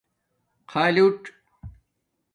خالُڎ